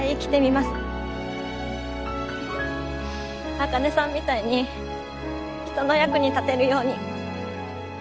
アカネさんみたいに人の役に立てるように。